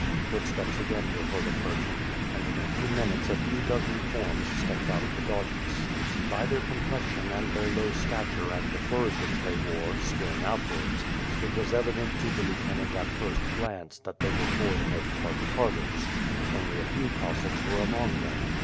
Footsteps again were heard approaching, and in a few min utes a few dozen forms stepped out of the darkness. By their complexion and their low stature and the furs which they WlfH PiRf] AND SWORD. j^j wore, skin outwards, it was evident to the lieutenant at the first glance that they were for the most part Tartars; only a few Cossacks were among them.